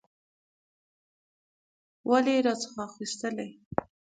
ولي یې راڅخه اخیستلې؟